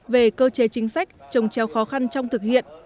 về cơ chế chính sách trồng treo khó khăn trong thực hiện